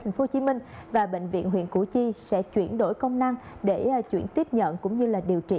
tp hcm và bệnh viện huyện củ chi sẽ chuyển đổi công năng để chuyển tiếp nhận cũng như điều trị